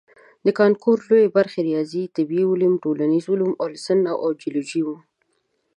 د کانکور لویې برخې ریاضي، طبیعي علوم، ټولنیز علوم او السنه او جیولوجي وي.